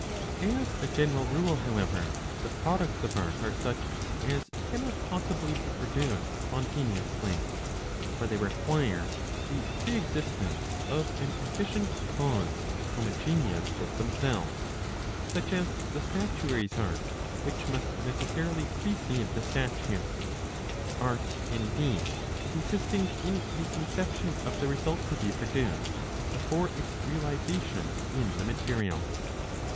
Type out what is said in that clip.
As a general rule, however, the pro ducts of art are such as cannot possibly be produced spontaneously; for they require the pre existence of an efficient cause homogeneous with themselves, such as the statuary's art which must necessarily precede the statue ; art indeed consisting in the conception of the result to be produced before its realisation in the material.